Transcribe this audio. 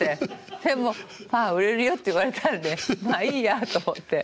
でも売れるよって言われたんでまあいいやと思って。